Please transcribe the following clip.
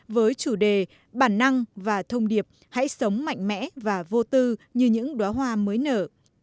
với chủ đề bản năng và thông điệp hãy sống mạnh mẽ và vô tư như những đoá hoa mới nở